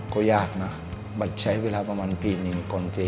ก็เขียนหยุดแล้วใช้เวลาประมาณปีหนึ่ง